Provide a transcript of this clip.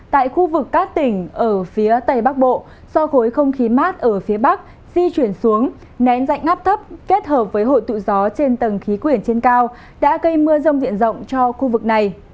tại khu vực các tỉnh ở phía tây bắc bộ do khối không khí mát ở phía bắc di chuyển xuống nén dạnh áp thấp kết hợp với hội tụ gió trên tầng khí quyển trên cao đã gây mưa rông diện rộng cho khu vực này